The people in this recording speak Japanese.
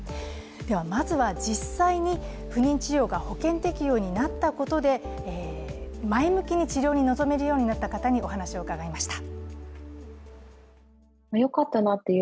ではまず、実際に不妊治療が保険適用になったことで前向きに治療に臨めるようになった方にお話を伺いました。